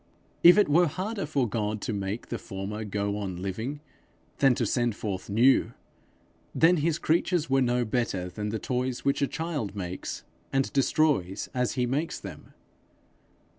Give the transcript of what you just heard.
If it were harder for God to make the former go on living, than to send forth new, then his creatures were no better than the toys which a child makes, and destroys as he makes them.